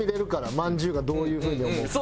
まんじゅうがどういう風に思うか。